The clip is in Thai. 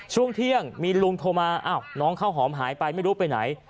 ช่วงเที่ยงมีลุงโทรมาอ้าวน้องข้าวหอมหายไปไม่รู้ไปไหน